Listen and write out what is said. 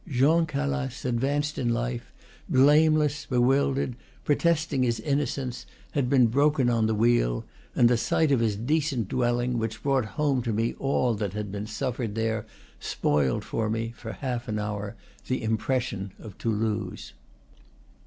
Jean Calas, advanced in life, blameless, bewildered, protesting. his innocence, had been broken on the wheel; and the sight of his decent dwelling, which brought home to me all that had been suflered there, spoiled for me, for half an hour, the impression of Toulouse.